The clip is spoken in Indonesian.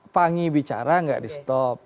panggi bicara gak di stop